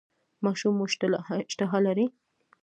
ماشوم مو اشتها لري؟